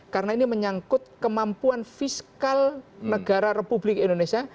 karena ini menyangkut kemampuan fiskal negara republik indonesia